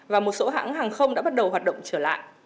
và một số hãng hàng không đã bắt đầu hoạt động trở lại